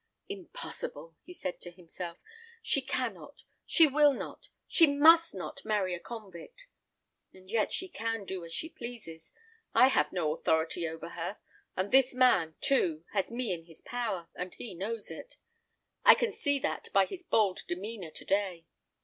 "Impossible," he said to himself; "she cannot, she will not, she must not marry a convict; and yet she can do as she pleases. I have no authority over her; and this man, too, has me in his power, and he knows it. I can see that by his bold demeanour to day.